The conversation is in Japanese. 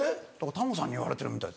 「タモさんに言われてるみたい」。